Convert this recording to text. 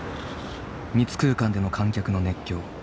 密空間での観客の熱狂。